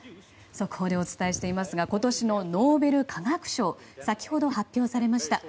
速報でお伝えしていますが今年のノーベル化学賞が先ほど発表されました。